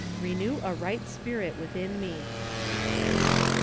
"Renew a right spirit within me.'"